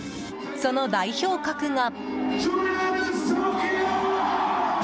その代表格が。